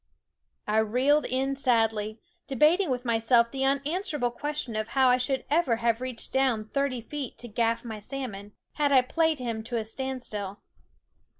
I reeled in sadly, debating with myself the unanswerable question of how I should ever have reached down thirty feet to gaff my salmon, had I played him to a standstill.